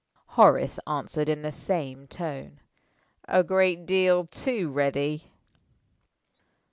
Horace answered in the same tone: "A great deal too ready."